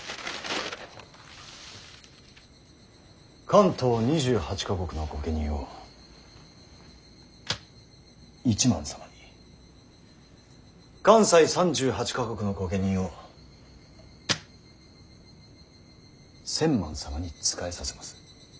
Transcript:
関東２８か国の御家人を一幡様に関西３８か国の御家人を千幡様に仕えさせます。